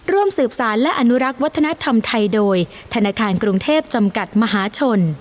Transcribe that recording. ร่วมสืบสารและอนุรักษ์วัฒนธรรมไทยโดยธนาคารกรุงเทพจำกัดมหาชน